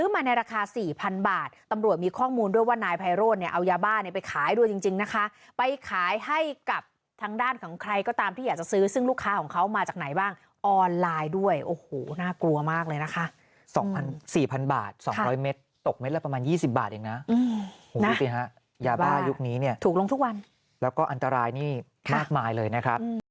มาในราคาสี่พันบาทตำรวจมีข้อมูลด้วยว่านายพยาโรเนี่ยเอายาบ้าเนี่ยไปขายด้วยจริงจริงนะคะไปขายให้กับทางด้านของใครก็ตามที่อยากจะซื้อซึ่งลูกค้าของเขามาจากไหนบ้างออนไลน์ด้วยโอ้โหน่ากลัวมากเลยนะคะสองพันสี่พันบาทสองร้อยเม็ดตกเม็ดละประมาณยี่สิบบาทเองน่ะอืมโหดูสิฮะยาบ้